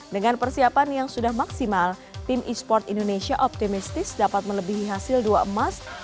dengan persiapan yang sudah maksimal tim e sports indonesia optimistis dapat melebihi hasil dua emas